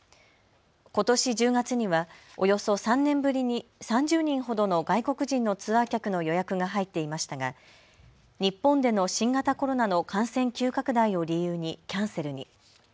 ことし１０月にはおよそ３年ぶりに３０人ほどの外国人のツアー客の予約が入っていましたが日本での新型コロナの感染急拡大を理由にキャンセルに。